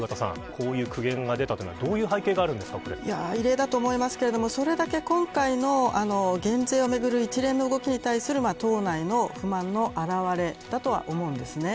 こういう苦言が出たというのは異例だと思いますけれどもそれだけ今回の減税をめぐる一連の動きに対する党内の不満の表れだとは思うんですね。